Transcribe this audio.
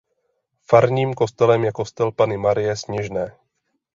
Farním kostelem je kostel Panny Marie Sněžné.